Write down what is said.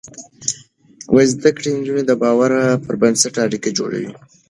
زده کړې نجونې د باور پر بنسټ اړيکې جوړوي.